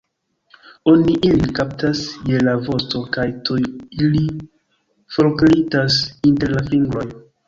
Oni ilin kaptas je la vosto, kaj tuj ili forglitas inter la fingroj!